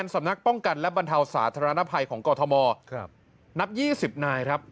สาธารณภัยของกอทมครับนับยี่สิบนายครับ